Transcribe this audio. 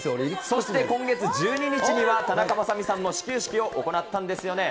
そして今月１２日には田中雅美さんも始球式を行ったんですよね。